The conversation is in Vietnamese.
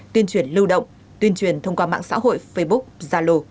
tuyên truyền lưu động tuyên truyền thông qua mạng xã hội facebook zalo